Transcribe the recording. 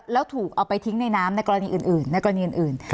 แล้วถูกเอาไปทิ้งในน้ำในกรณีอื่นในกรณีอื่น